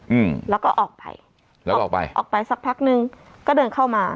อืมแล้วก็ออกไปแล้วออกไปออกไปสักพักหนึ่งก็เดินเข้ามา